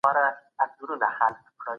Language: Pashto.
د مطالعې فرهنګ باید په ټولنه کي خپور سي.